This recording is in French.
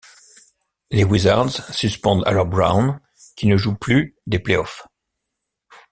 Les Wizards suspendent alors Brown, qui ne joue plus des playoffs.